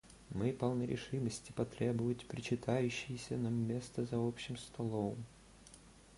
Мы полны решимости потребовать причитающееся нам место за общим столом.